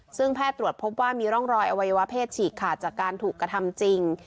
ซึ่งแพทย์ตรวจพบว่ามีร่องรอยอวัยวะเพศฉีกขาดจากการถูกกระทำจริง